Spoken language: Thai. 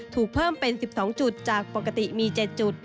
ถูกเพิ่มเป็น๑๒จุดจากปกติมี๗จุด